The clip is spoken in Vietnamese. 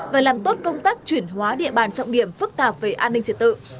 và làm tốt công tác chuyển hóa địa bàn trọng điểm phức tạp về an ninh trật tự